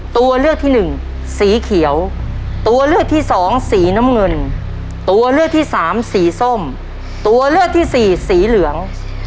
ตัวเลือกที่หนึ่งสีเขียวตัวเลือกที่สองสีน้ำเงินตัวเลือกที่สามสีส้มตัวเลือกที่สี่สีเหลือง